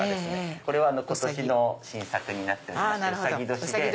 これは今年の新作になってましてうさぎ年で。